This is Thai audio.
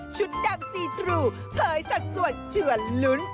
ดำซีตรูเผยสัดส่วนชวนลุ้น